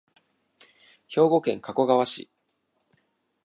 兵庫県加古川市